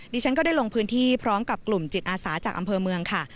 ฉันก็ได้ลงพื้นที่พร้อมกับกลุ่มจิตอาสาจากอำเภอเมืองค่ะ